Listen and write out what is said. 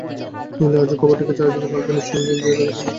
নীলু আজও খবরটির চারদিকে লাল পেনসিল দিয়ে দাগ দিল।